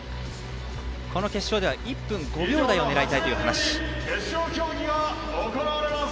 この決勝では１分５秒台を狙いたいという話。